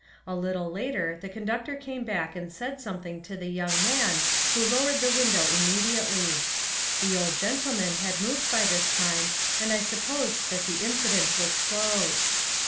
A little later the conductor came back and said something to the young man who lowered the window immediately. The old gentleman had moved by this time and I supposed that the incident was closed.